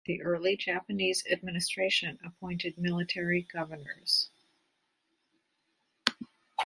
The early Japanese administration appointed military governors.